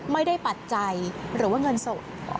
ปัจจัยหรือว่าเงินสด